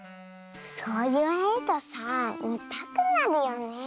そういわれるとさあみたくなるよねえ。